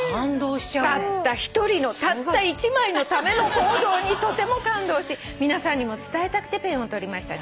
「たった１人のたった１枚のための行動にとても感動し皆さんにも伝えたくてペンを執りました」